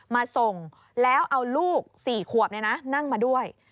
มาส่งแล้วเอาลูก๔ขวบนั่งมาด้วย